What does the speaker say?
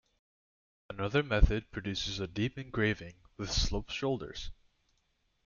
Another method produces a deep engraving with sloped shoulders.